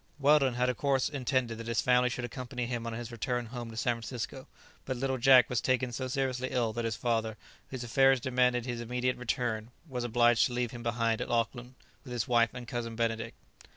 Weldon had of course intended that his family should accompany him on his return home to San Francisco; but little Jack was taken so seriously ill, that his father, whose affairs demanded his immediate return, was obliged to leave him behind at Auckland with his wife and Cousin Benedict.